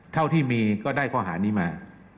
เท่าที่มีก็ได้ข้อหานี้มา